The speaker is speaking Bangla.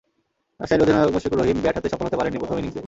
রাজশাহীর অধিনায়ক মুশফিকুর রহিম ব্যাট হাতে সফল হতে পারেননি প্রথম ইনিংসে।